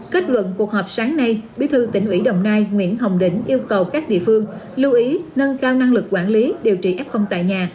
kết luận cuộc họp sáng nay bí thư tỉnh ubnd nguyễn hồng đỉnh yêu cầu các địa phương lưu ý nâng cao năng lực quản lý điều trị f tại nhà